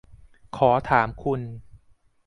ขอถามคุณ